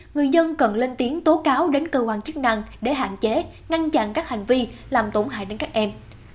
người dân cần lên tiếng tố cáo đến cơ quan chức năng để hạn chế ngăn chặn các hành vi làm tổn hại đến các em